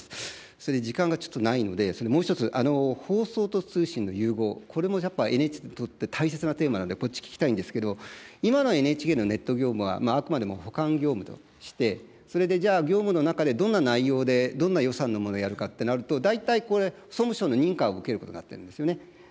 それで、時間がちょっとないので、もう１つ、放送と通信の融合、これもやっぱＮＨＫにとって大切なテーマなので、こっち聞きたいんですけど、今のＮＨＫのネット業務は、あくまでも補完業務として、それで、じゃあ業務の中で、どんな内容で、どんな予算のものをやるかってなると、大体これ、総務省の認可を受けることになってるんですよね。